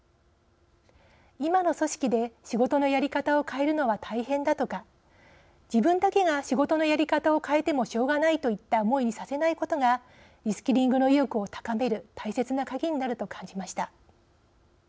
今の組織で仕事のやり方を変えるのは大変だとか自分だけが仕事のやり方を変えてもしょうがないといった思いにさせないことがリスキリングの意欲を高める大切な鍵になると感じました。